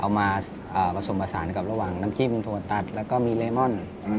เอามาผสมผสานกับระหว่างน้ำจิ้มถั่วตัดแล้วก็มีเลมอน